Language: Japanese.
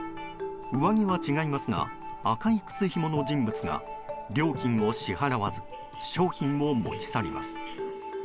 上着は違いますが赤い靴ひもの人物が料金を支払わず商品を持ち去ります。